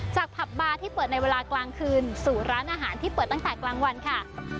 ผับบาร์ที่เปิดในเวลากลางคืนสู่ร้านอาหารที่เปิดตั้งแต่กลางวันค่ะ